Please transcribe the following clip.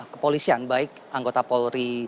kepolisian baik anggota polri